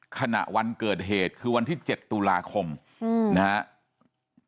ขณะวันเกิดเหตุคือวันที่๗ตุลาคมนะครับ